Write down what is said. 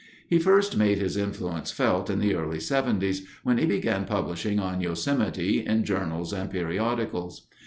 He first made his influence felt in the early 'seventies, when he began publishing on Yosemite in journals and periodicals.